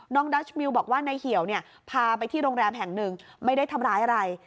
ดัชมิวบอกว่านายเหี่ยวเนี่ยพาไปที่โรงแรมแห่งหนึ่งไม่ได้ทำร้ายอะไร